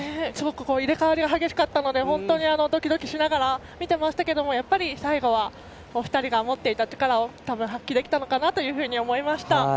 入れ替わりが激しかったのでドキドキしながら見ていましたが、やっぱり最後はお二人が持っていた力を発揮できたのかなと思いました。